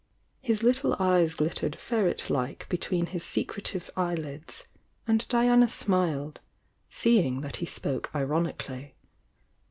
His little eyes glittered ferret like between his se cretive eyelids, and Diana smiled, seeing that he spoke ironically.